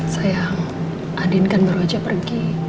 sayang andin kan baru aja pergi